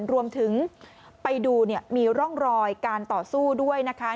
รวมถึงไปดูเนี่ยมีร่องรอยการต่อสู้ด้วยนะคะ